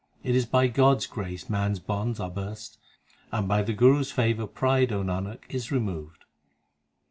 It is by God s grace man s bonds are burst, And by the Guru s favour pride, O Nanak, is removed.